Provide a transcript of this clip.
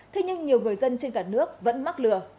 thế nhưng nhiều người dân trên cả nước vẫn mắc lừa